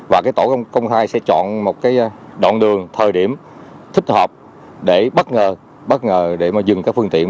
và tổ công khai sẽ chọn một đoạn đường thời điểm thích hợp để bất ngờ dừng các phương tiện